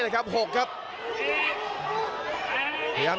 สตานท์ภพล็อกนายเกียรติป้องยุทเทียร์